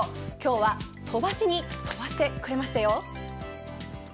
今日は飛ばしに飛ばしてくれましたよ。